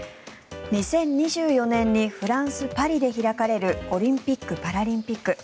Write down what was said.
２０２４年にフランス・パリで開かれるオリンピック・パラリンピック。